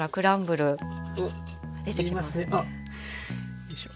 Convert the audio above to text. よいしょ。